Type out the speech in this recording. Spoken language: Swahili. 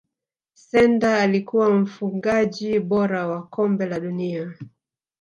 sendor alikuwa mfungaji bora wa kombe la dunia